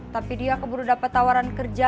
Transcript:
tapi dia keburu dapat tawaran kerja